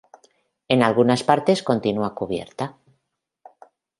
En algunas partes continúa cubierta.